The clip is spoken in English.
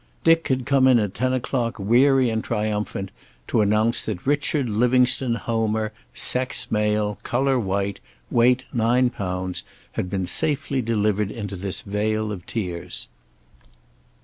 Dick had come in at ten o'clock weary and triumphant, to announce that Richard Livingstone Homer, sex male, color white, weight nine pounds, had been safely delivered into this vale of tears.